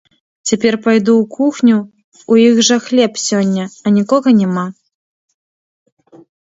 Цяпер пайду ў кухню, у іх жа хлеб сёння, а нікога няма.